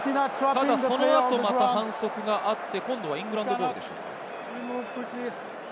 その後、また反則があって、今度はイングランドボールでしょうか。